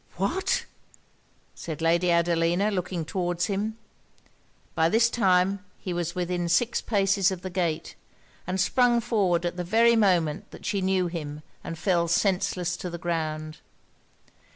'What?' said Lady Adelina, looking towards him. By this time he was within six paces of the gate; and sprung forward at the very moment that she knew him, and fell senseless on the ground.